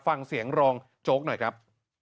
ฟังเสียงรองโจ๊กหน่อยครับ